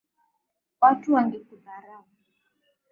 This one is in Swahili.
Watu Wangekudharau